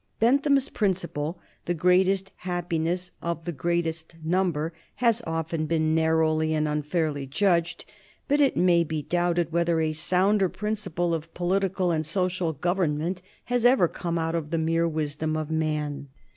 Bentham's principle, the greatest happiness of the greatest number, has often been narrowly and unfairly judged, but it may be doubted whether a sounder theory of political and social government has ever come out of the mere wisdom of man.